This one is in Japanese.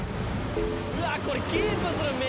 うわこれ。